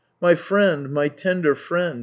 " My friend, my tender friend .